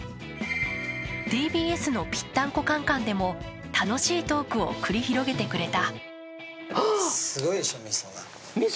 ＴＢＳの「ぴったんこカン・カン」でも楽しいトークを繰り広げてくれた。